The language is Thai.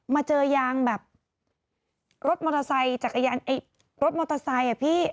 มาเจอยางแบบรถมอเตอร์ไซค์จักรยานรถมอเตอร์ไซค์อ่ะพี่